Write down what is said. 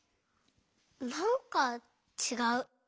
なんかちがう。